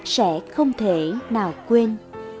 sẽ không thể nào quên